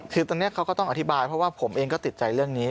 คือตอนนี้เขาก็ต้องอธิบายเพราะว่าผมเองก็ติดใจเรื่องนี้